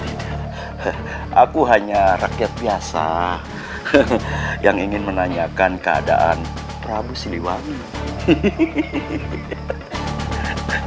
aku hanya rakyat biasa yang ingin menanyakan keadaan prabu siliwangi